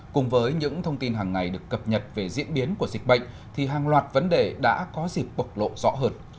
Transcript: cùng với những thông tin hàng ngày được cập nhật về diễn biến của dịch bệnh thì hàng loạt vấn đề đã có dịp bộc lộ rõ hơn